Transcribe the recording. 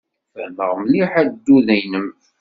Fehmeɣ mliḥ addud-nnem.